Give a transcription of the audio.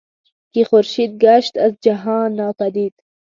که خورشید گشت از جهان ناپدید